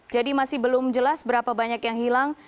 jadi masih belum jelas berapa banyak yang hilang